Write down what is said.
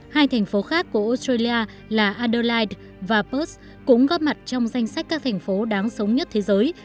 hai thành phố khác của australia là adulife và perss cũng góp mặt trong danh sách các thành phố đáng sống nhất thế giới